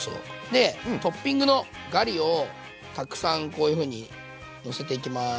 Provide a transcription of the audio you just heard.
でトッピングのガリをたくさんこういうふうにのせていきます。